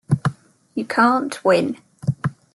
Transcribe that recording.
You can't win.